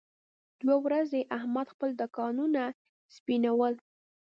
دوه ورځې احمد خپل دوکانونه سپینول.